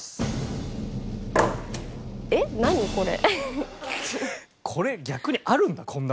これ逆にあるの？